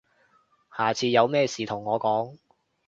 下次有咩事同我講